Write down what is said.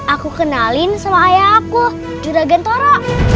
aku kenalin sama ayah aku juragan toro